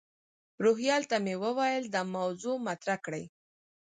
روهیال ته مې وویل دا موضوع مطرح کړي.